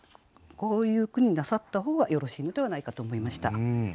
こういう句になさった方がよろしいのではないかと思いました。